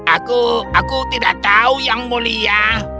aku aku tidak tahu yang mulia